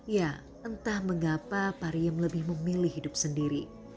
ya entah mengapa pariem lebih memilih hidup sendiri